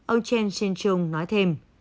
ông chen shih chung nói thêm